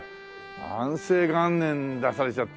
安政元年出されちゃったら。